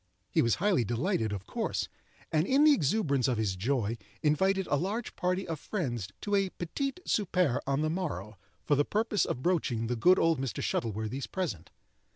He was highly delighted, of course, and in the exuberance of his joy invited a large party of friends to a petit souper on the morrow, for the purpose of broaching the good old Mr. Shuttleworthy's present.